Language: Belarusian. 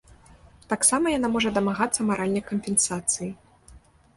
Таксама яна можа дамагацца маральнай кампенсацыі.